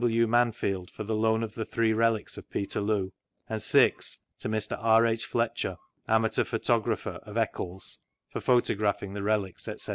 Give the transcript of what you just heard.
W. Manfield, for the loan of the three Relics of Peterloo; aqd (6) to Mr. R. H. Fletcher, amateur photographer, of Eccles, for f^otc^aphing the relics, etc. F. A.